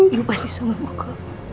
ibu pasti sama buku